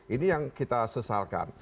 ini yang kita sesalkan